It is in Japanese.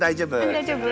大丈夫。